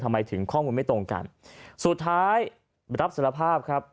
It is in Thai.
ทำไมถึงข้อมูลไม่ตรงกันสุดท้ายรับสารภาพครับ